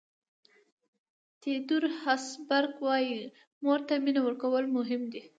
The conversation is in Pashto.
تیودور هسبرګ وایي مور ته مینه ورکول مهم دي.